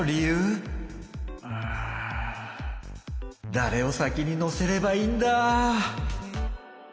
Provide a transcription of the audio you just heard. だれを先に乗せればいいんだ？